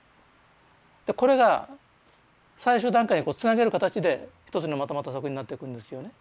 これが最終段階につなげる形で一つにまとまった作品になっていくんですよね。